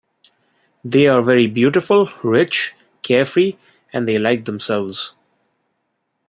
They are very beautiful, rich, carefree and they like themselves.